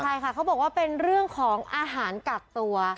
ใช่ค่ะเขาบอกว่าเป็นเรื่องของอาหารกักตัว